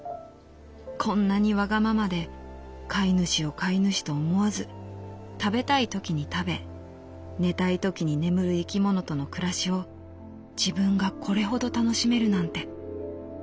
こんなにわがままで飼い主を飼い主と思わず食べたいときに食べ寝たいときに眠る生き物との暮らしを自分がこれほど楽しめるなんて。